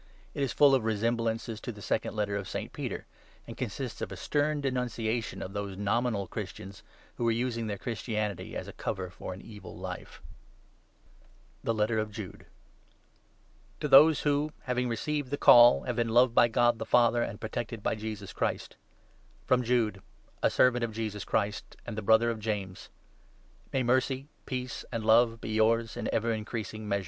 It is full of resemblances to 'The Second Letter of St. Peter,' and consists of a stern denunciation of those nominal Christians who were using their Christianity as a cover for an evil life. FROM JUDE. I. — INTRODUCTION. To those who, having received the Call, have been i Greeting. loved by God the Father and protected by Jesus Christ, FROM Jude, a servant of Jesus Christ, and the brother of James. May mercy, peace, and love be yours in ever increasing 2 measure.